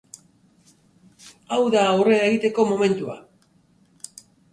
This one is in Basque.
Hau da aurrera egiteko momentua.